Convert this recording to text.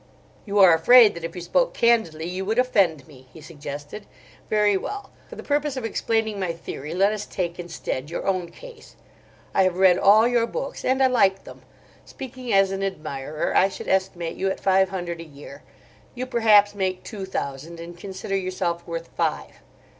"You are afraid that if you spoke candidly you would offend me," he suggested. "Very well. For the purpose of explaining my theory let us take, instead, your own case. I have read all your books, and I like them. Speaking as an admirer, I should estimate you at five hundred a year. You, perhaps, make two thousand, and consider yourself worth five."